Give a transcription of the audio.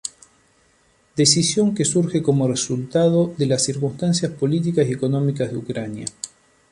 Decisión que surge como resultado de las circunstancias políticas y económicas de Ucrania".